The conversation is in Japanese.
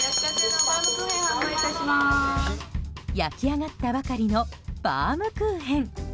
焼き上がったばかりのバウムクーヘン。